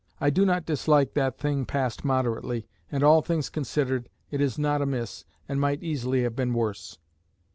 I do not dislike that thing passed moderately; and all things considered, it is not amiss, and might easily have been worse."